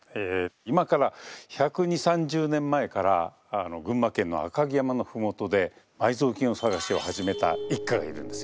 今から１２０１３０年前から群馬県の赤城山の麓で埋蔵金探しを始めた一家がいるんですよ。